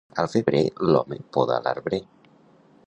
Al febrer, l'home poda l'arbrer.